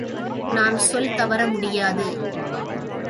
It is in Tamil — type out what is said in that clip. நான் சொல் தவற முடியாது.